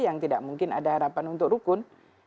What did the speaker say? yang tidak mungkin ada harapan untuk rukun